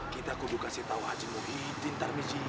kita kuduk kasih tau hajin muhyiddin tarmizi